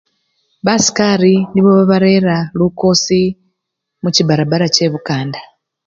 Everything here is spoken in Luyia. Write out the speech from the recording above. basikari nibo babarera lukosi michi barabara che bukanda